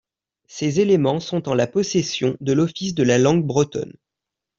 Ces éléments sont en la possession de l’Office de la Langue Bretonne.